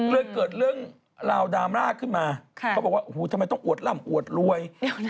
เริ่มเกิดเรื่องราวดรามราชขึ้นมาเขาบอกว่าท่ามัยต้องหวดลำหวดรวย